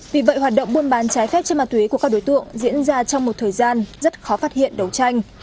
vì vậy hoạt động buôn bán trái phép trên ma túy của các đối tượng diễn ra trong một thời gian rất khó phát hiện đấu tranh